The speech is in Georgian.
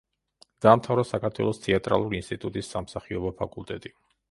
დაამთავრა საქართველოს თეატრალური ინსტიტუტის სამსახიობო ფაკულტეტი.